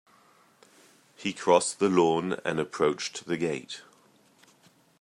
He crossed the lawn and approached the gate.